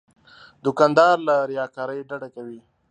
دوکاندار له ریاکارۍ ډډه کوي.